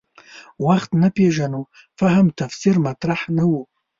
وخت نه پېژنو فهم تفسیر مطرح نه و.